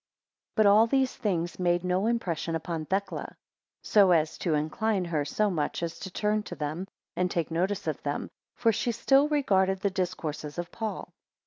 12 But all these things made no impression upon Thecla, so as to incline her so much as to turn to them, and take notice of them; for she still regarded the discourses of Paul.